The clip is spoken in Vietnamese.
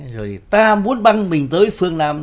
rồi ta muốn băng mình tới phương nam